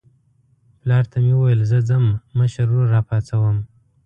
پلار ته مې وویل زه ځم مشر ورور راپاڅوم.